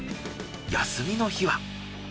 休みの日は。